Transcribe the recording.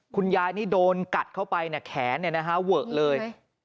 คุณยายนี่โดนกัดเข้าไปแขนเนี่ยนะฮะเวิร์กเลย